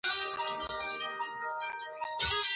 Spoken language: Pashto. زده کړه نجونو ته د اوریدلو حوصله ورکوي.